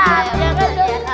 ya doang dok